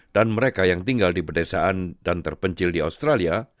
dan mereka yang tinggal di pedesaan dan terpencil di australia